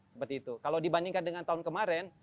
seperti itu kalau dibandingkan dengan tahun kemarin